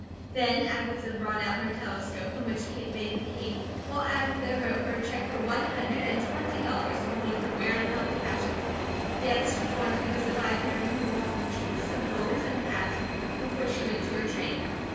Then Agatha brought out her telescope, in which Kate laid the cape while Agatha wrote her a check for one hundred and twenty dollars, and told her where and how to cash it. The extra twenty was to buy a pair of new walking shoes, some hose, and a hat, before she went to her train.